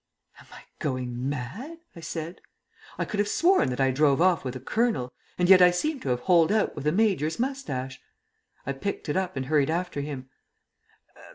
"Am I going mad?" I said. "I could have sworn that I drove off with a 'Colonel,' and yet I seem to have holed out with a Major's moustache!" I picked it up and hurried after him.